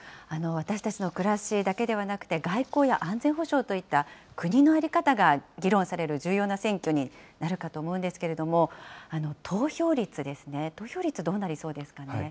私たちの暮らしだけではなくて、外交や安全保障といった国の在り方が議論される重要な選挙になるかと思うんですけれども、投票率ですね、投票率、どうなりそうですかね。